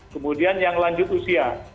kemudian yang lanjut usia